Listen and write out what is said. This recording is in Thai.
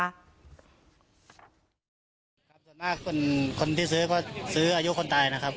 ส่วนมากคนที่ซื้อก็ซื้ออายุคนตายนะครับ